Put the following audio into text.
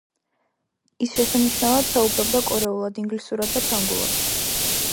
ის შესანიშნავად საუბრობდა კორეულად, ინგლისურად და ფრანგულად.